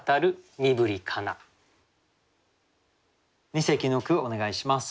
二席の句お願いします。